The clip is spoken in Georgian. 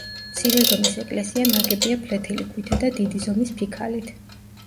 მცირე ზომის ეკლესია ნაგებია ფლეთილი ქვითა და დიდი ზომის ფიქალით.